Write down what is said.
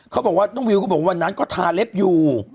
เขาบอกว่าน้องวิวก็บอกวันนั้นก็ทาเล็บอยู่